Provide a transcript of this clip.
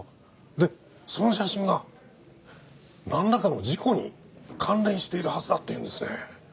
でその写真がなんらかの事故に関連しているはずだって言うんですね。